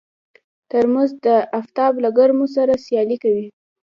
ترموز د افتاب له ګرمو سره سیالي کوي.